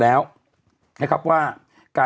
เราก็มีความหวังอะ